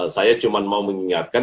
saya cuma mau mengingatkan